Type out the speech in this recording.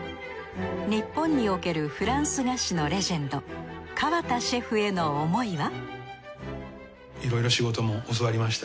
日本におけるフランス菓子のレジェンド河田シェフへの思いは？